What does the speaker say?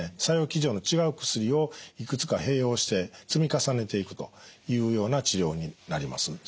作用機序の違う薬をいくつか併用して積み重ねていくというような治療になります。